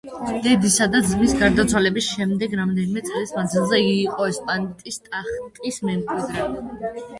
დედისა და ძმის გარდაცვალების შემდეგ, რამდენიმე წლის მანძილზე იგი იყო ესპანეთის ტახტის მემკვიდრე.